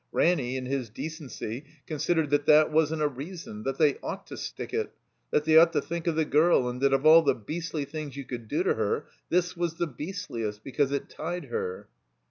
Ranny, in his decency, considered that that wasn't a reason; that they ought to stick it; that they ought to think of the girl, and that of all the beastly things you could do to her, this was the beastliest, because it tied her.